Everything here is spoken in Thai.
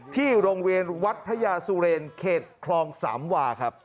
ที่โรงเรียนวัดพระยาสุเรนเขตคลองสามวาครับ